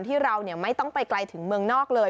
ที่เราไม่ต้องไปไกลถึงเมืองนอกเลย